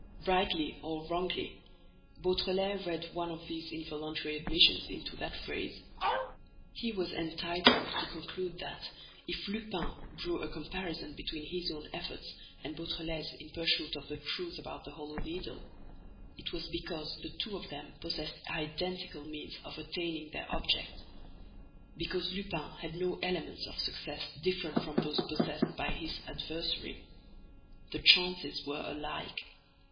Rightly or wrongly, Beautrelet read one of these involuntary admissions into that phrase. He was entitled to conclude that, if Lupin drew a comparison between his own efforts and Beautrelet's in pursuit of the truth about the Hollow Needle, it was because the two of them possessed identical means of attaining their object, because Lupin had no elements of success different from those possessed by his adversary. The chances were alike.